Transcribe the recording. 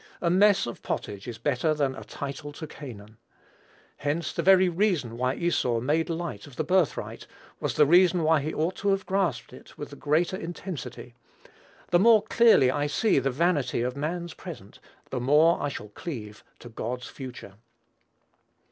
A mess of pottage is better than a title to Canaan. Hence, the very reason why Esau made light of the birthright was the reason why he ought to have grasped it with the greater intensity. The more clearly I see the vanity of man's present, the more I shall cleave to God's future.